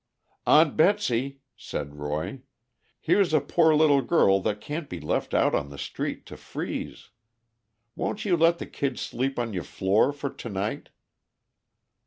"Aunt Betsy," said Roy, "here 's a poor little girl that can't be left out on the street to freeze. Won't you let the kid sleep on your floor for to night?"